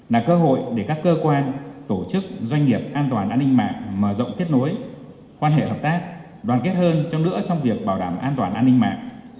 là cơ hội để các cơ quan tổ chức doanh nghiệp an toàn an ninh mạng mở rộng kết nối quan hệ hợp tác đoàn kết hơn trong nữa trong việc bảo đảm an toàn an ninh mạng